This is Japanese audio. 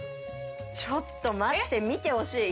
ちょっと待って見てほしい。